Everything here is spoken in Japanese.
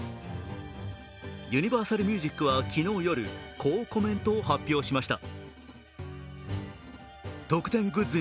ユニバーサルミュージックは、昨日夜、こうコメントを発表しました。